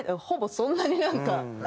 ほぼそんなになんか。